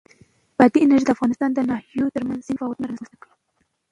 بادي انرژي د افغانستان د ناحیو ترمنځ ځینې تفاوتونه رامنځ ته کوي.